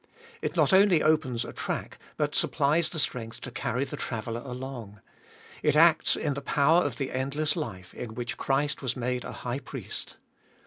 It not only opens a track, but supplies the strength to carry the traveller along. It acts in the power of the endless life, in which Christ was made a High Priest.